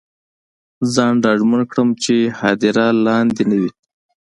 ځان ډاډمن کړم چې هدیره لاندې نه وي.